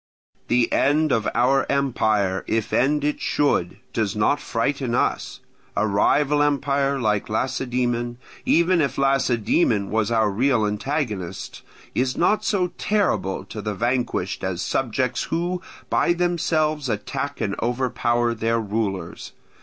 The end of our empire, if end it should, does not frighten us: a rival empire like Lacedaemon, even if Lacedaemon was our real antagonist, is not so terrible to the vanquished as subjects who by themselves attack and overpower their rulers.